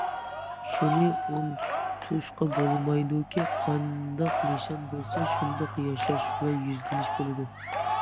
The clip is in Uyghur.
شۇنى ئۇنتۇشقا بولمايدۇكى، قانداق نىشان بولسا شۇنداق ياشاش ۋە يۈزلىنىش بولىدۇ.